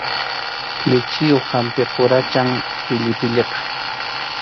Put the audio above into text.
Lichiyuq hampi quracham pillipilliqa.